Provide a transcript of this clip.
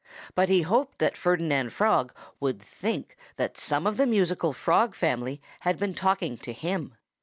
But he hoped that Ferdinand Frog would think that some of the musical Frog family had been talking to him.